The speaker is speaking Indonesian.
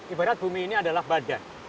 ibarat bumi ini adalah badan